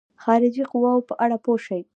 خارجي قواوو په اړه پوه شي.